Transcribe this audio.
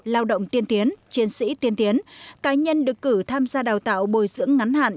lao động tiên tiến chiến sĩ tiên tiến cá nhân được cử tham gia đào tạo bồi dưỡng ngắn hạn